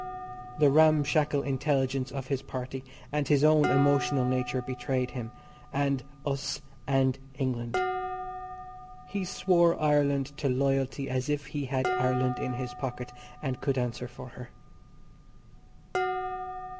The ramshackle intelligence of his party and his own emotional nature betrayed him and us and England. He swore Ireland to loyalty as if he had Ireland in his pocket, and could answer for her.